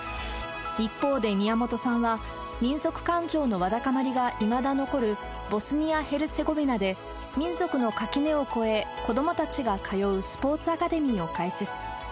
一方で、宮本さんは民族感情のわだかまりがいまだ残るボスニア・ヘルツェゴビナで、民族の垣根を越え、子どもたちが通うスポーツアカデミーを開設。